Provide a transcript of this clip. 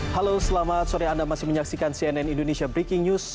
halo selamat sore anda masih menyaksikan cnn indonesia breaking news